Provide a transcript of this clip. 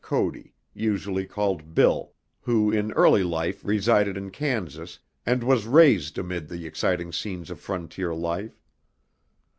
Cody usually called "Bill," who in early life resided in Kansas and was raised amid the exciting scenes of frontier life.